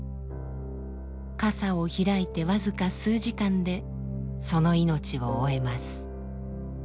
かさを開いて僅か数時間でその命を終えます。